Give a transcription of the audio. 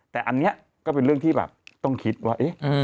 แต่อันนี้ก็เป็นเรื่องที่แบบต้องคิดว่า